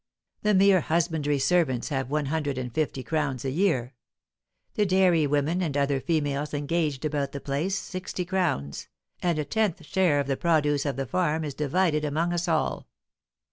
The mere husbandry servants have one hundred and fifty crowns a year, the dairy women and other females engaged about the place sixty crowns, and a tenth share of the produce of the farm is divided among us all.